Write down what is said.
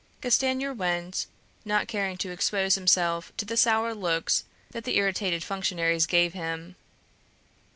Castanier went, not caring to expose himself to the sour looks that the irritated functionaries gave him.